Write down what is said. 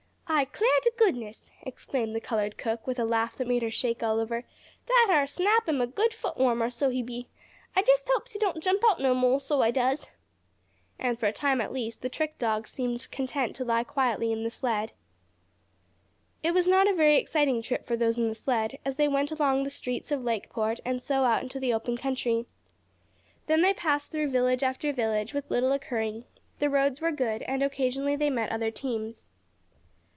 "I 'clar t' goodness!" exclaimed the colored cook, with a laugh that made her shake all over, "dat ar' Snap am a good foot warmer, so he be. I jest hopes he don't jump out no mo', so I does." And, for a time at least, the trick dog seemed content to lie quietly in the sled. It was not a very exciting trip for those in the sled, as they went along through the streets of Lakeport and so out into the open country. Then they passed through village after village, with little occurring. The roads were good, and occasionally they met other teams.